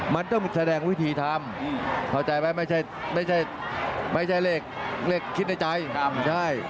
มันต้องแสดงวิธีทำเข้าใจไหมไม่ใช่ไม่ใช่เลขคิดในใจใช่